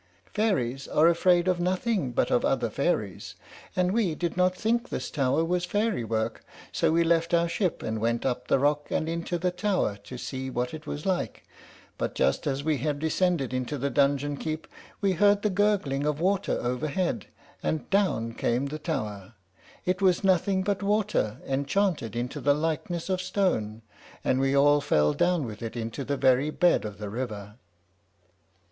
"Fairies are afraid of nothing but of other fairies, and we did not think this tower was fairy work, so we left our ship and went up the rock and into the tower, to see what it was like; but just as we had descended into the dungeon keep, we heard the gurgling of water overhead, and down came the tower. It was nothing but water enchanted into the likeness of stone, and we all fell down with it into the very bed of the river.